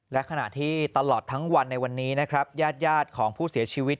และขณะที่ตลอดทั้งวันในวันนี้นะครับญาติของผู้เสียชีวิต